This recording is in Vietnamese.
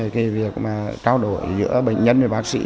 cái việc mà trao đổi giữa bệnh nhân và bác sĩ